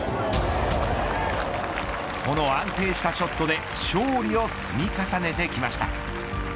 この安定したショットで勝利を積み重ねてきました。